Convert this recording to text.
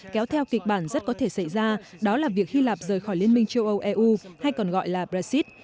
kéo theo kịch bản rất có thể xảy ra đó là việc hy lạp rời khỏi liên minh châu âu eu hay còn gọi là brexit